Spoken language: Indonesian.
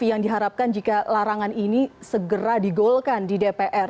yang diharapkan jika larangan ini segera digolkan di dpr